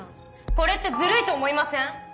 これってずるいと思いません